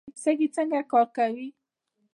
سږي څنګه کار کوي؟